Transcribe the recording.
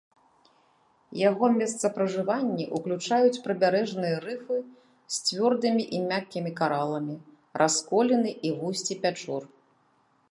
Яго месцапражыванні ўключаюць прыбярэжныя рыфы з цвёрдымі і мяккімі караламі, расколіны і вусці пячор.